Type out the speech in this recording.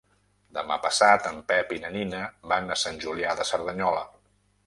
Demà passat en Pep i na Nina van a Sant Julià de Cerdanyola.